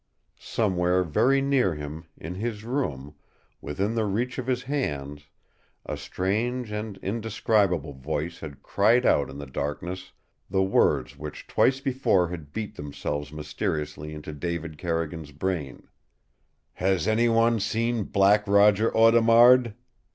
Somewhere very near him, in his room, within the reach of his hands, a strange and indescribable voice had cried out in the darkness the words which twice before had beat themselves mysteriously into David Carrigan's brain "HAS ANY ONE SEEN BLACK ROGER AUDEMARD?